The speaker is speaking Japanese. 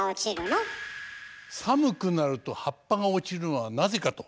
寒くなると葉っぱが落ちるのはなぜかと？